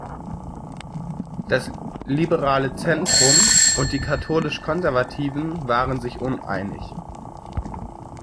Das liberale Zentrum und die Katholisch-Konservativen waren sich uneinig.